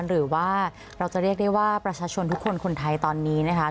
หรือว่าเราจะเรียกได้ว่าประชาชนทุกคนคนไทยตอนนี้นะคะ